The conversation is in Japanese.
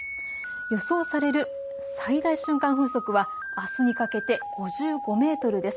予想される最大瞬間風速はあすにかけて５５メートルです。